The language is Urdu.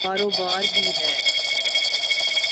کاروبار بھی ہے۔